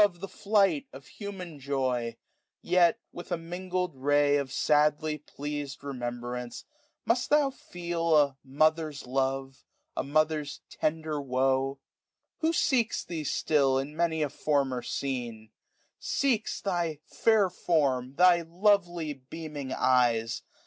e die flight Of human joy ; yet, with a nnngled ray Of sa^y pleas'd remeiid>rance, must diou feel A mother's lore, a mother's tender woe : Who seeks thee still, in many a former scene ; 570 Seeks thy fair form, thy lovely beaming eyes.